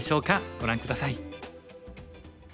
ご覧下さい。